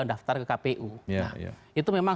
mendaftar ke kpu itu memang